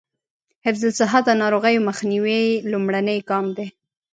حفظ الصحه د ناروغیو مخنیوي لومړنی ګام دی.